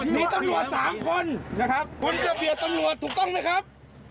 มีตำรวจ๓คนนะครับคนจะเบียดตำรวจถูกต้องไหมครับ